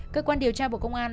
cơ quan điều tra bộ công an